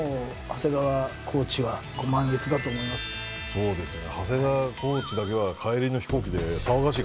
そうですよね。